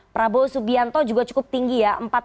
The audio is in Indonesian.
prabowo subianto juga cukup tinggi ya